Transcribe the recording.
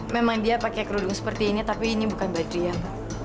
memang dia pakai kerudung seperti ini tapi ini bukan badrian